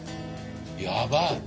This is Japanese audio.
やばい。